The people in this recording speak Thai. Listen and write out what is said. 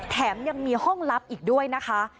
แถมยังมีห้องลับอีกด้วยนะคะ